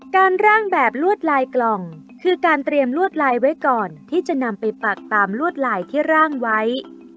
ร่างแบบลวดลายกล่องคือการเตรียมลวดลายไว้ก่อนที่จะนำไปปักตามลวดลายที่ร่างไว้